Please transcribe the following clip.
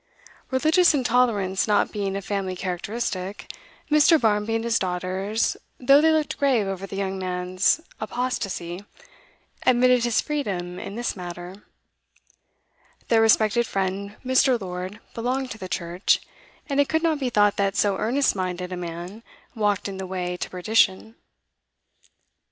Religious intolerance not being a family characteristic, Mr. Barmby and his daughters, though they looked grave over the young man's apostasy, admitted his freedom in this matter; their respected friend Mr. Lord belonged to the Church, and it could not be thought that so earnest minded a man walked in the way to perdition.